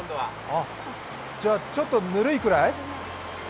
じゃ、ちょっとぬるいくらい？